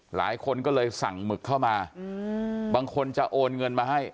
หลายคนก็เลยสั่งหมึกเข้ามาบางคนจะโอนเงินมาให้